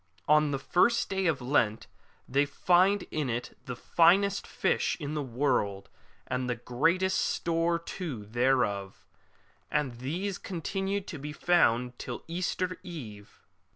On the first day of Lent they find in it the finest fish in the world, and great store too thereof; and these continue to be found till Easter Eve.